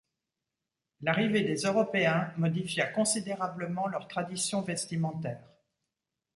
L’arrivée des Européens modifia considérablement leurs traditions vestimentaires.